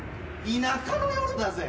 田舎の夜だぜ。